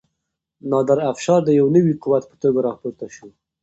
نادر افشار د یو نوي قوت په توګه راپورته شو.